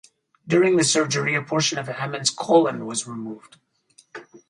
During the surgery, a portion of Hammond's colon was removed.